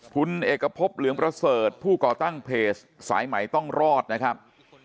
คุณเอกพบเหลืองประเสริฐผู้ก่อตั้งเพจสายใหม่ต้องรอดนะครับ